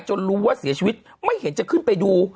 รู้ว่าเสียชีวิตไม่เห็นจะขึ้นไปดู